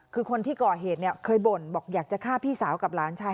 คือคนที่ก่อเหตุเนี่ยเคยบ่นบอกอยากจะฆ่าพี่สาวกับหลานชาย